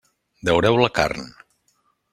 Daureu la carn.